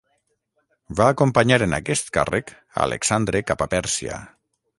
Va acompanyar en aquest càrrec a Alexandre cap a Pèrsia.